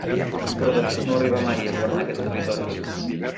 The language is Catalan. Però de fet no arribà mai a governar aquests territoris.